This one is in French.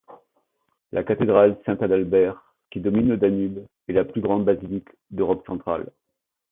La cathédrale Saint-Adalbert, qui domine le Danube, est la plus grande basilique d'Europe centrale.